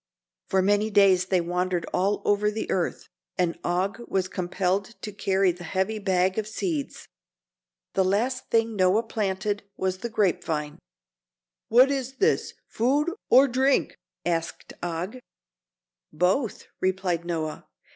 For many days they wandered all over the earth, and Og was compelled to carry the heavy bag of seeds. The last thing Noah planted was the grape vine. "What is this food, or drink?" asked Og. "Both," replied Noah.